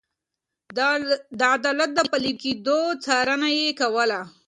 د عدالت د پلي کېدو څارنه يې کوله.